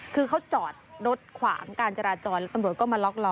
คือเขาจอดรถขวางการจราจรแล้วตำรวจก็มาล็อกล้อ